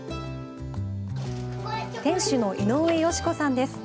店主の井上よし子さんです。